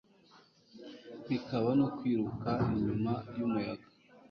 bikaba no kwiruka inyuma y'umuyaga